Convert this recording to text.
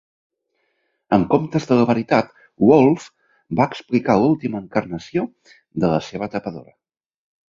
En comptes de la veritat, Wolfe va explicar l'última encarnació de la seva tapadora.